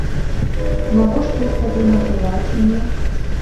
Навошта іх тады набываць мне?